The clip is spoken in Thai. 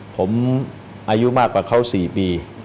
ผมอายุมากกว่าเขา๔ปี